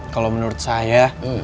kalo menurut saya